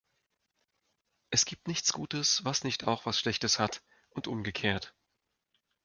Es gibt nichts Gutes, was nicht auch was Schlechtes hat, und umgekehrt.